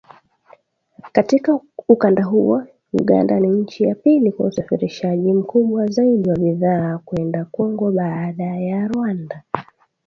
Katika ukanda huo Uganda ni nchi ya pili kwa usafirishaji mkubwa zaidi wa bidhaa kwenda Kongo baada ya Rwanda